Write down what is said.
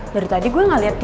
dari tadi gue nggak lihat dia